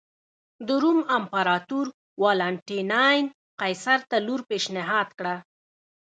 د روم امپراتور والنټیناین قیصر ته لور پېشنهاد کړه.